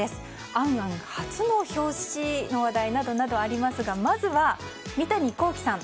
「ａｎａｎ」初の表紙などの話題がありますがまずは三谷幸喜さん